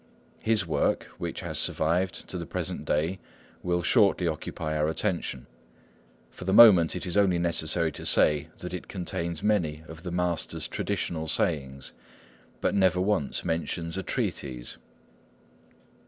His work, which has survived to the present day, will shortly occupy our attention. For the moment it is only necessary to say that it contains many of the Master's traditional sayings, but never once mentions a treatise.